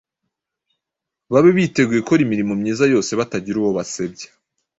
babe biteguye gukora imirimo myiza yose batagira uwo basebya